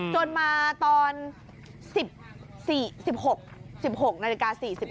จนมาตอน๑๖นาฬิกา